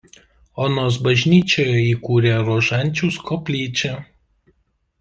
Onos bažnyčioje įkūrė rožančiaus koplyčią.